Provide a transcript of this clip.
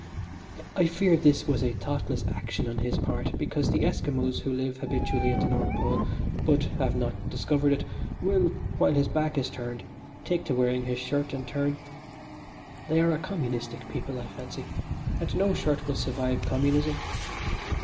I fear this was a thoughtless action on his part because the Esquimos who live habitually at the North Pole, but have not discovered it, will, while his back is turned, take to wearing his shirt in turn. They are a communistic people, I fancy, and no shirt will survive communism.